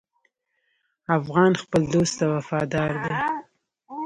افغان خپل دوست ته وفادار دی.